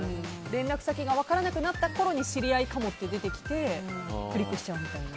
連絡先が分からなくなったころに「知り合いかも」って出てきてクリックしちゃうみたいな。